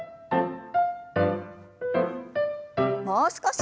もう少し。